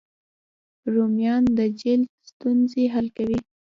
رومیان د جلد ستونزې حل کوي